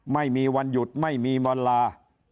ไม่มีวันหยุดไม่มีวันลา